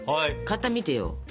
型見てよ。